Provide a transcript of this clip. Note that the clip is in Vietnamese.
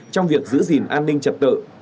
trong việc giữ gìn an ninh trật tự